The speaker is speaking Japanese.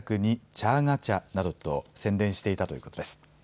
チャーガ茶などと宣伝していたということです。